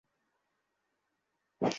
সোনার দাম অনেক বেড়েছে।